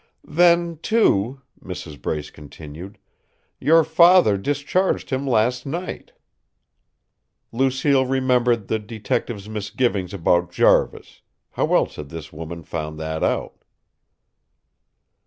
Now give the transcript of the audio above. "Then, too," Mrs. Brace continued, "your father discharged him last night." Lucille remembered the detective's misgivings about Jarvis; how else had this woman found that out?